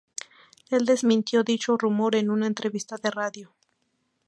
El desmintió dicho rumor en una entrevista de radio.